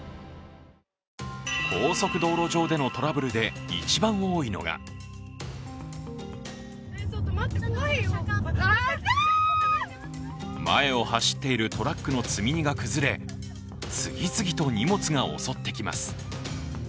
高速道路上でのトラブルで一番多いのが前を走っているトラックの積み荷が崩れ次々と荷物が襲ってきます。